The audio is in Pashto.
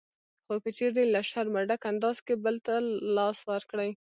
خو که چېرې له شرمه ډک انداز کې بل ته لاس ورکړئ